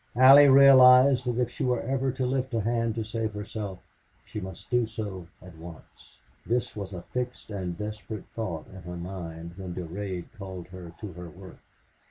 Allie realized that if she were ever to lift a hand to save herself she must do so at once. This was a fixed and desperate thought in her mind when Durade called her to her work.